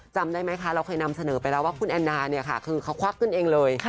จำได้ไหมคะเราเคยนำเสนอไปแล้วว่าคุณแอนนาเนี่ยค่ะคือเขาควักกันเองเลย